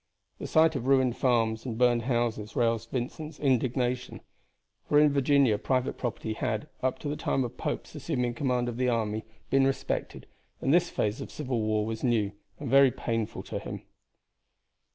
The sight of ruined farms and burned houses roused Vincent's indignation; for in Virginia private property had, up to the time of Pope's assuming command of the army, been respected, and this phase of civil war was new and very painful to him.